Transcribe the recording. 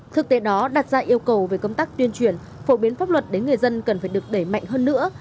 thực tế đó đặt ra yêu cầu về công tác tuyên truyền phổ biến pháp luật đến người dân cần phải được đẩy mạnh hơn nữa